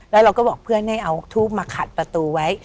แล้วเราก็บอกเพื่อนให้เอาทูบมาขัดประตูไว้